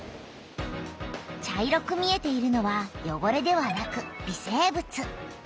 茶色く見えているのはよごれではなく微生物。